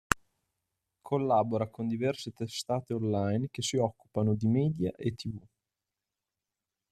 Collabora con diverse testate online che si occupano di media e tv.